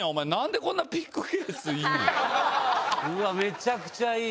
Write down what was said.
めちゃくちゃいい！